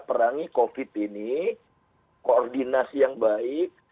perangi covid ini koordinasi yang baik